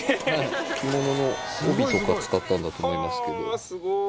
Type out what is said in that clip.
着物の帯とか使ったんだと思いますけど。